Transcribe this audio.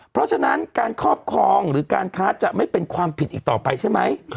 เพราะฉะนั้นการครอบครองหรือการค้าจะไม่เป็นความผิดอีกต่อไปใช่ไหม